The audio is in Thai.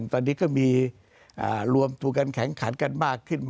ตอนนี้ก็มีรวมตัวกันแข็งขันกันมากขึ้น